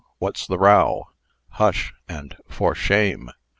"What's the row?" "Hush!" and "For shame!"